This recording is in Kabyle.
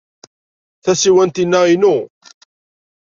Tasiwant-inna inu.